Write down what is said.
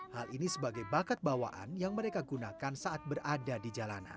hal ini sebagai bakat bawaan yang mereka gunakan saat berada di jalanan